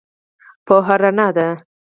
پوهه رڼا ده